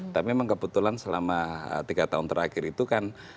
tapi memang kebetulan selama tiga tahun terakhir itu kan